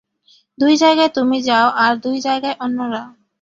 দুই জায়গায় তুমি যাও আর দুই জায়গায় অন্যরা।